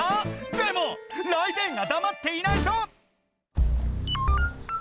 でもライデェンがだまっていないぞ！